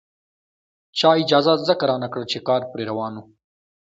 چا اجازه ځکه رانکړه چې کار پرې روان وو.